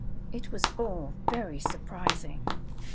It was all very surprising.